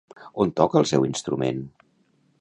On toca el seu instrument?